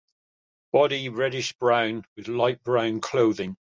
Body reddish brown with light brown clothing.